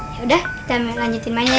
sudah kita lanjutkan mainnya